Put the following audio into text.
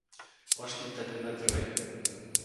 "Poszli tedy we troje."